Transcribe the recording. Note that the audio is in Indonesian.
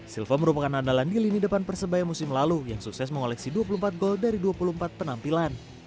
silva merupakan andalan di lini depan persebaya musim lalu yang sukses mengoleksi dua puluh empat gol dari dua puluh empat penampilan